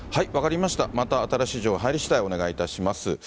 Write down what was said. また新しい情報が入りしだい、お願いいたします。